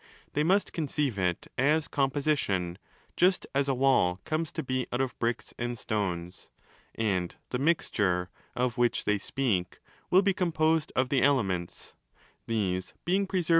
They must conceive it as com _ posttton—just as a wall comes to be out of bricks and stones: and the ' Mixture', of which they speak, will be composed of the 'elements', these being preserved in it * Cf.